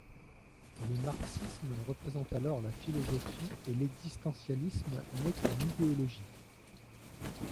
Le marxisme représente alors la philosophie et l'existentialisme n'est qu'une idéologie.